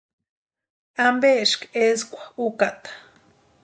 ¿Ampeeski eskwa úkata?